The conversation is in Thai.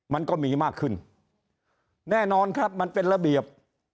มันก็มีมากขึ้นแน่นอนครับมันเป็นระเบียบ